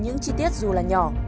những chi tiết dù là nhỏ